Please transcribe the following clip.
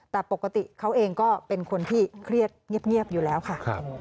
แต่ปกติเขาเองก็เป็นคนที่เครียดเงียบอยู่แล้วค่ะ